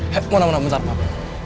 hei mona mona bentar bentar